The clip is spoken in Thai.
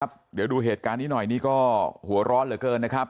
เดี๋ยวดูเหตุการณ์นี้หน่อยนี่ก็หัวร้อนเหลือเกินนะครับ